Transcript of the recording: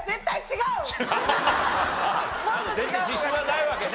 全然自信はないわけね。